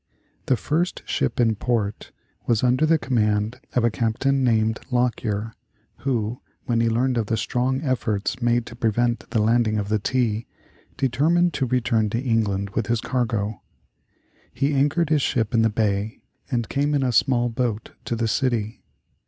The first ship in port was under the command of a captain named Lockyer, who, when he learned of the strong efforts made to prevent the landing of the tea, determined to return to England with his cargo. He anchored his ship in the bay and came in a small boat to the city.